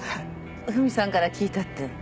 フミさんから聞いたって。